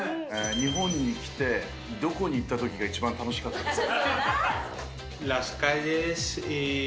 日本に来て、どこに行ったときが一番楽しかったですか？